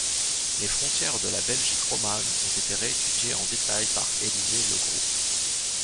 Les frontières de la Belgique romane ont été réétudiées en détail par Élisée Legros.